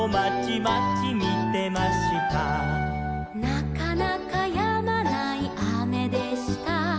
「なかなかやまないあめでした」